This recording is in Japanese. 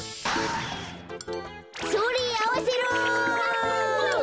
それあわせろ。